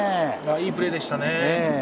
いいプレーでしたね。